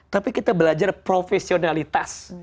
tapi kita belajar profesionalitas